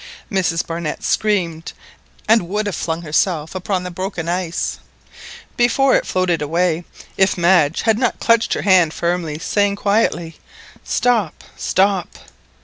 Mrs Barnett screamed, and would have flung herself upon the broken ice before it floated away, if Madge had not clutched her hand firmly, saying quietly—— "Stop! stop!"